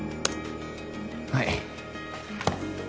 はい。